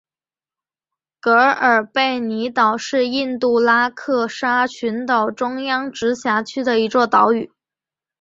格尔贝尼岛是印度拉克沙群岛中央直辖区的一座岛屿。